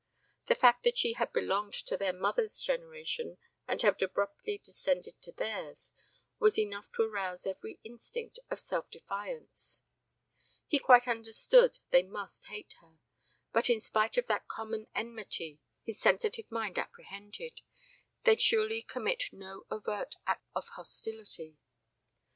The fact that she had belonged to their mothers' generation and had abruptly descended to theirs was enough to arouse every instinct of self defence. He quite understood they must hate her, but in spite of that common enmity his sensitive mind apprehended, they'd surely commit no overt act of hostility.